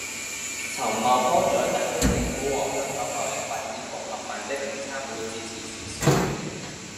陳茂波在特區政府和香港貿易發展局合辦的午餐會致辭時說